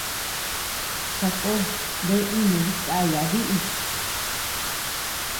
Sakó bea inu dikaya bíʼis.